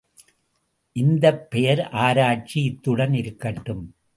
இந்தப் பெயர் ஆராய்ச்சி இத்துடன் இருக்கட்டும்.